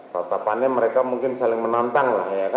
tatapannya mereka mungkin saling menantang